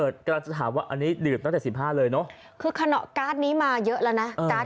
กำลังจะถามว่าอันนี้เดี๋ยวตั้งแต่๑๕เลยเนอะ